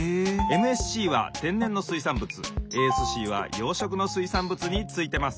・ＭＳＣは天然の水産物ＡＳＣは養殖の水産物についてます。